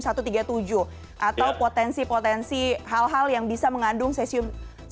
atau potensi potensi hal hal yang bisa mengandung sesium satu ratus tiga puluh tujuh